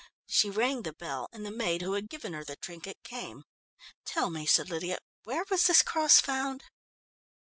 She rang the bell, and the maid who had given her the trinket came. "Tell me," said Lydia, "where was this cross found?"